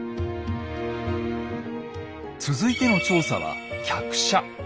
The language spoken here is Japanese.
続いての調査は客車。